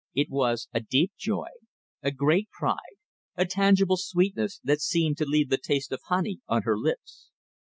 It was a deep joy, a great pride, a tangible sweetness that seemed to leave the taste of honey on her lips.